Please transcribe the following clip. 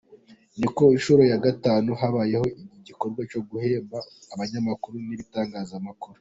Ni ku nshuro ya gatanu habayeho iki gikorwa cyo guhemba abanyamakuru n’ibitangazamakuru.